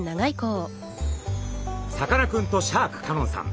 さかなクンとシャーク香音さん